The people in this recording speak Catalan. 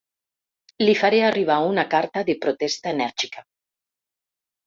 Li faré arribar una carta de protesta enèrgica.